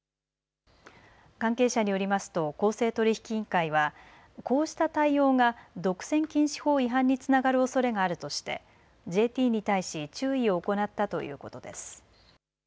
関係者によりますと公正取引委員会はこうした対応が独占禁止法違反につながるおそれがあるとしてＪＴに対し注意を行ったということです。